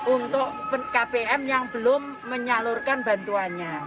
untuk kpm yang belum menyalurkan bantuannya